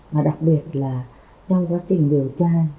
mà đặc biệt là trong quá trình điều tra